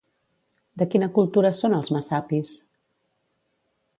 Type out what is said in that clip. De quina cultura són els messapis?